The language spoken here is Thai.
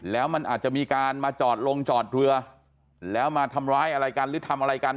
แล้วมันอาจจะมีการมาจอดลงจอดเรือแล้วมาทำร้ายอะไรกันหรือทำอะไรกัน